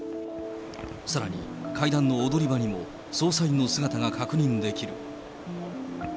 さらに、階段の踊り場にも、捜査員の姿が確認できる。